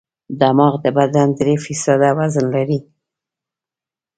دماغ د بدن درې فیصده وزن لري.